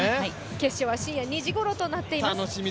決勝は深夜２時ごろとなっています。